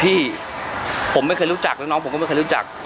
พี่ผมไม่เคยรู้จักแล้วน้องผมก็ไม่เคยรู้จัก